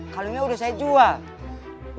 kalungnya udah saya jual